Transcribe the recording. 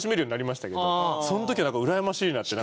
その時はうらやましいなって。